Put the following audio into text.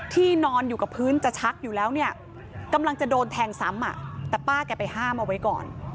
นอนอยู่กับพื้นจะชักอยู่แล้วเนี่ยกำลังจะโดนแทงซ้ำแต่ป้าแกไปห้ามเอาไว้ก่อน